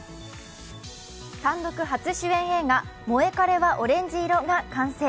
単独初主演映画「モエカレはオレンジ色」が歓声。